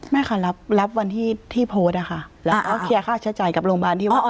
ไม่ค่ะรับรับวันที่โพสฯแล้วก็เคลียร์ค่าเชื้อจ่ายกับโรงพยาบาล